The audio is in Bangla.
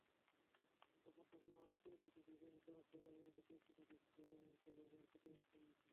এতে প্রত্যক্ষভাবে তিন শতাধিক এবং পরোক্ষভাবে আরও দুই শতাধিক পরিবার ক্ষতিগ্রস্ত হয়েছে।